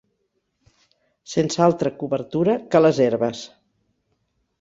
Sense altra cobertura que les herbes